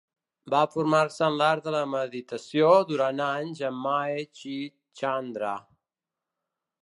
Va formar-se en l'art de meditació durant anys amb Mae chi Chandra.